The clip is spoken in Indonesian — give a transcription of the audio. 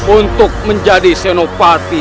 untuk menjadi senopati